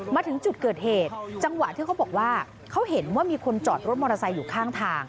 มาถึงจุดเกิดเหตุจังหวะที่เขาบอกว่าเขาเห็นว่ามีคนจอดรถมอเตอร์ไซค์อยู่ข้างทาง